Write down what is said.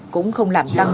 cũng không làm tăng